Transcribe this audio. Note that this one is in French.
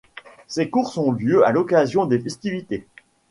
Ces courses ont lieu à l'occasion de festivités.